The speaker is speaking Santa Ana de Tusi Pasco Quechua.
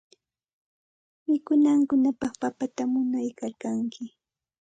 Mikunankupaq papata yanuykalkanki.